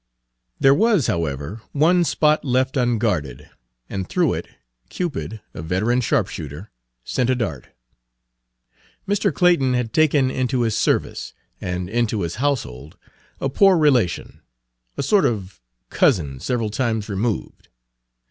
There was, however, one spot left unguarded, and through it Cupid, a veteran sharpshooter, sent a dart. Mr. Clayton had taken into his service and into his household a poor relation, a sort of cousin several times removed.